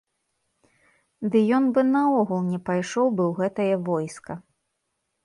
Ды ён бы наогул не пайшоў бы ў гэтае войска.